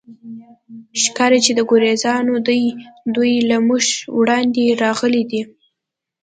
ښکاري، چې د ګوریزیا دي، دوی له موږ وړاندې راغلي دي.